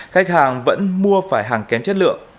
khách hàng vẫn mua phải hàng kém chất lượng